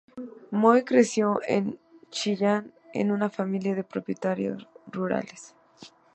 Moy creció en Chillán, en una familia de propietarios rurales.